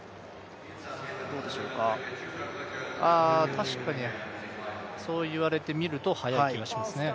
確かに、そう言われてみると速い気がしますね。